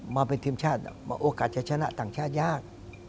มาเป็นทีมชาติโอกาสจะชนะต่างชาติยาก